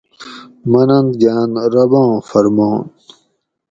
مننت گاۤن رباں فرمان